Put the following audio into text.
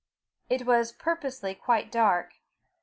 It was purposely quite dark.